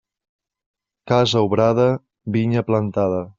Casa obrada, vinya plantada.